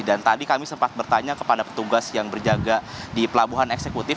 dan tadi kami sempat bertanya kepada petugas yang berjaga di pelabuhan eksekutif